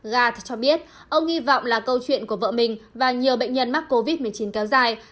gat cho biết ông hy vọng là câu chuyện của vợ mình và nhiều bệnh nhân mắc covid một mươi chín kéo dài